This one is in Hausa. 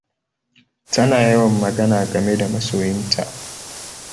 Tana yawan magana game da masoyinta.